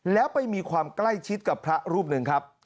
แล้วไปมีความใกล้ชิดกับพระรูปหนึ่งครับ